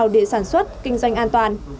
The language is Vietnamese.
để sản xuất kinh doanh an toàn